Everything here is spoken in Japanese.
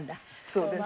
そうです。